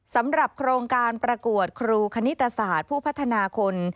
สำหรับโครงการประกวดครูคณิตศาสตร์ผู้พัฒนาคน